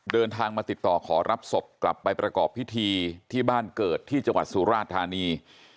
เดินทางมาติดต่อขอรับศพกลับไปประกอบพิธีที่บ้านเกิดที่จังหวัดสุราธานี